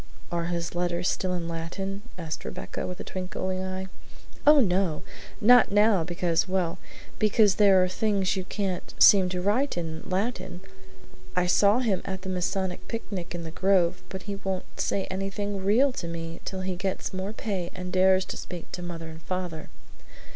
"Are his letters still in Latin?" asked Rebecca, with a twinkling eye. "Oh, no! Not now, because well, because there are things you can't seem to write in Latin. I saw him at the Masonic picnic in the grove, but he won't say anything REAL to me till he gets more pay and dares to speak to mother and father.